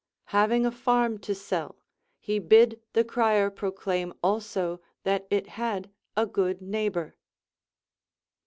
Having a farm to sell, he bid the crier proclaim also that it had a good neighbor.